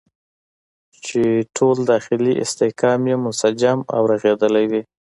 چې ټول داخلي استحکام یې منسجم او رغېدلی وي.